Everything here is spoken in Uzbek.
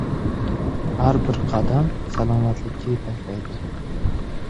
Har bir qadam salomatlikka yetaklaydi